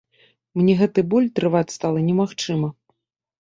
Мне гэты боль трываць стала немагчыма.